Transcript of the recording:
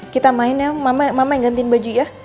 kita main ya mama mama yang gantiin baju ya